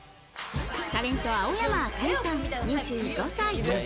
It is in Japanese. タレント青山明香里さん、２５歳。